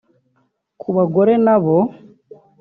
Ku bagore nabo